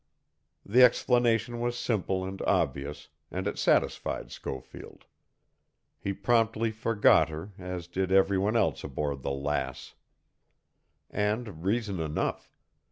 The explanation was simple and obvious, and it satisfied Schofield. He promptly forgot her, as did every one else aboard the Lass. And reason enough.